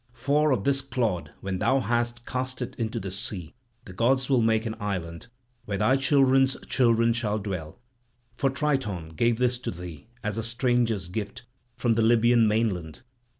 For of this clod when thou hast cast it into the sea, the gods will make an island, where thy children's children shall dwell; for Triton gave this to thee as a stranger's gift from the Libyan mainland.